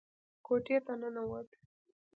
کوټې ته ننوت.